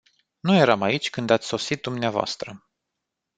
Nu eram aici când ați sosit dvs.